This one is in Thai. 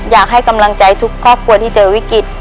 อยากให้กำลังใจทุกครอบครัวที่เจอวิกฤต